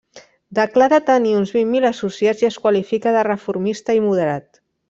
Declara tenir uns vint mil associats i es qualifica de reformista i moderat.